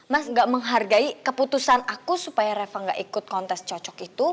mas gak menghargai keputusan aku supaya reva gak ikut kontes cocok itu